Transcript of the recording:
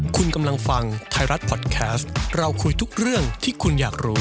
คุณกำลังฟังไทยรัฐพอดแคสต์เราคุยทุกเรื่องที่คุณอยากรู้